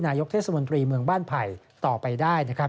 นายกเทศมนตรีเมืองบ้านไผ่ต่อไปได้นะครับ